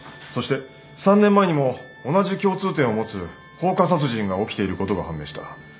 そして３年前にも同じ共通点を持つ放火殺人が起きていることが判明した。